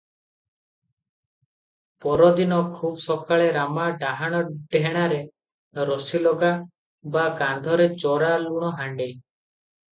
ପରଦିନ ଖୁବ୍ ସକାଳେ ରାମା ଡାହାଣ ଡେଣାରେ ରସିଲଗା, ବାଁ କାନ୍ଧରେ ଚୋରା ଲୁଣହାଣ୍ଡି ।